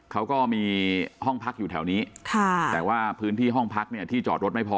เขาก็มีห้องพักอยู่แถวนี้แต่ว่าพื้นที่ห้องพักเนี่ยที่จอดรถไม่พอ